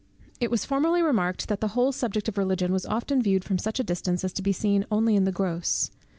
It was formerly remarked, that the whole subject of Religion was often viewed from such a distance as to be seen only in the gross.